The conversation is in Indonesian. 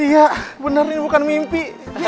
iya benar ini bukan mimpi